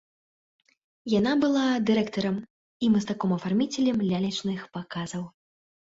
Яна была дырэктарам і мастаком-афарміцелем лялечных паказаў.